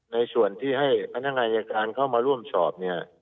ในส่วนที่ให้พนักงานอายการเข้ามาร่วมสอบเนี่ย